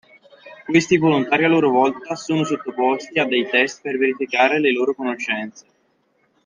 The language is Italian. Questi volontari a loro volta sono sottoposti a dei test per verificare le loro conoscenze.